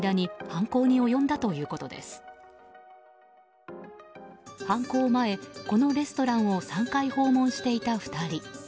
犯行前、このレストランを３回訪問していた２人。